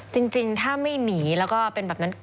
จริงถ้าไม่หนีแล้วก็เป็นแบบนั้น